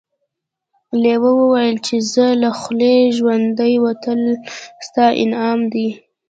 لیوه وویل چې زما له خولې ژوندی وتل ستا انعام دی.